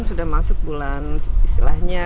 sudah masuk bulan istilahnya